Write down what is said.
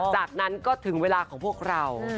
จากนั้นก็ถึงเวลาของพวกเรา